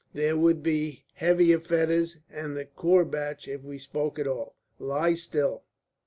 There would be heavier fetters and the courbatch if we spoke at all. Lie still.